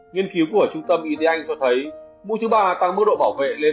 nghiên cứu của trung tâm y tế anh cho thấy mũi thứ ba tăng mức độ bảo vệ lên chín mươi ba chín mươi bốn